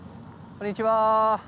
こんにちは。